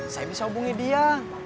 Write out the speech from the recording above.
saya bisa hubungi dia